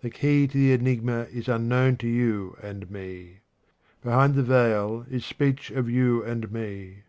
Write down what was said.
The key to the enigma is unknown to you and me. Behind the veil is speech of you and me.